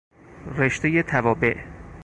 رشتهی توابع